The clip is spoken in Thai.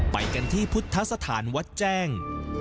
ไปกันที่พุทธสถานวัดแจ้ง